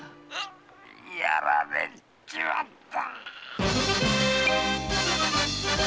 やられちまった！